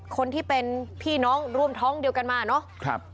คนที่เป็นพี่น้องร่วมท้องเดียวกันมาเนาะ